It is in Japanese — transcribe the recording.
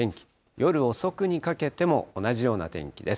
夜遅くにかけても同じような天気です。